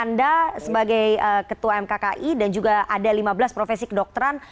anda sebagai ketua mkki dan juga ada lima belas profesi kedokteran